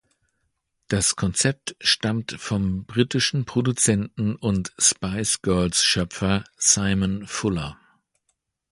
Das Konzept stammt vom britischen Produzenten und Spice-Girls-Schöpfer Simon Fuller.